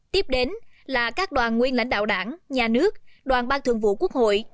tiếp đến là các đoàn nguyên lãnh đạo đảng nhà nước đoàn bang thường vụ quốc hội